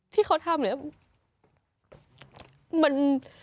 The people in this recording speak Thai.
ที่เขาทำเลยมัน